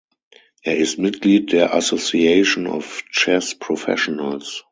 Er ist Mitglied der Association of Chess Professionals.